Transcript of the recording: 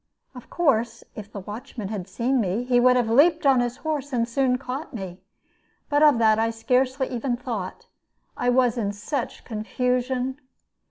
Of course if the watchman had seen me, he would have leaped on his horse and soon caught me; but of that I scarcely even thought, I was in such confusion.